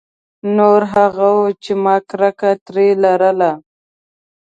نور هغه وو چې ما کرکه ترې لرله.